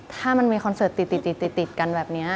ถ้ามันมีคอนเสิร์ตติดกันแบบนี้